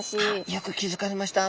よく気付かれました。